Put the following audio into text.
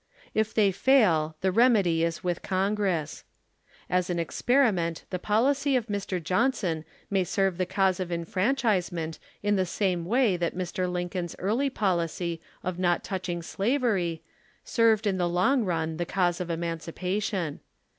If they fail, the remedy is with Con gress. As an experiment the policy of Mr. Johnson may serve the cause of enfranchisement in the same way that Mr. Lincoln's early policy of not touching slaveiy, served in the long run the cause of emancipation.